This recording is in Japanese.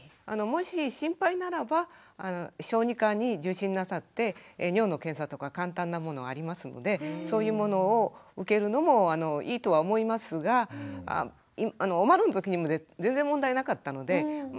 もし心配ならば小児科に受診なさって尿の検査とか簡単なものありますのでそういうものを受けるのもいいとは思いますがおまるのときにも全然問題なかったので大丈夫じゃないかとは思いますけどね。